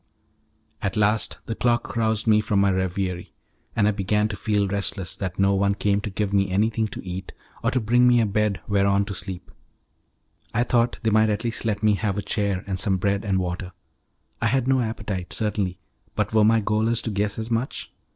At last the clock roused me from my reverie, and I began to feel restless that no one came to give me anything to eat or to bring me a bed whereon to sleep. I thought they might at least let me have a chair and some bread and water. I had no appetite, certainly; but were my gaolers to guess as much?